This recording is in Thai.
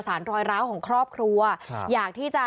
ทั้งหลวงผู้ลิ้น